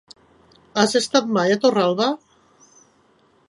Has estat mai a Torralba?